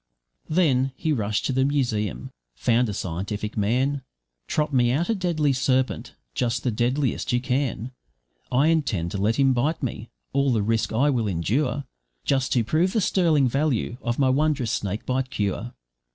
Then he rushed to the museum, found a scientific man `Trot me out a deadly serpent, just the deadliest you can; I intend to let him bite me, all the risk I will endure, Just to prove the sterling value of my wondrous snakebite cure.